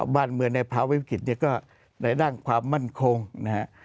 บ้านเมืองในพระวิบกิจเนี่ยก็ในด้านความมั่นคงนะครับ